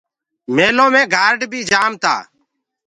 ميٚليٚ مي گآرڊ بي جآم تآ۔